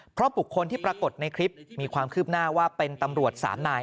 เพราะบุคคลที่ปรากฏในคลิปมีความคืบหน้าว่าเป็นตำรวจ๓นาย